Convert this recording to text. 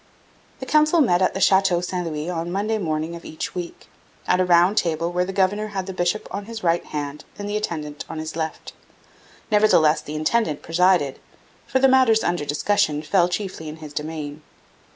The Council met at the Chateau St Louis on Monday morning of each week, at a round table where the governor had the bishop on his right hand and the intendant on his left. Nevertheless the intendant presided, for the matters under discussion fell chiefly in his domain.